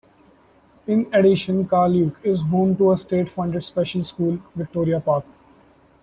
In addition Carluke is home to a state funded Special School, Victoria Park.